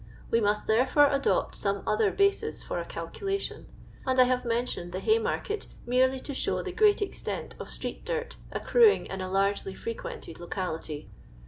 We must, therefore, adopt some other basis for a calculation ; and I have mentioned the Uayniarket merely to show the great extent of street dirt accruing in a largely frequented locality.